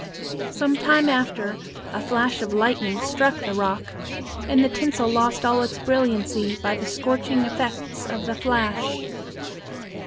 Some time after, a flash of lightning struck the rock, and the tinsel lost all its brilliancy by the scorching effects of the flash.